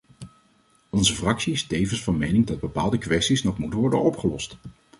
Onze fractie is tevens van mening dat bepaalde kwesties nog moeten worden opgelost.